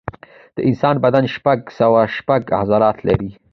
د انسان بدن شپږ سوه شپږ عضلات لري.